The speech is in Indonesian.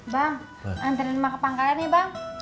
bang anterin mak ke pangkalan ya bang